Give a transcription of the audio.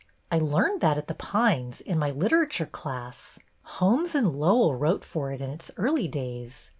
I learned that at The Pines, in my literature class. Holmes and Lowell wrote for it in its early days.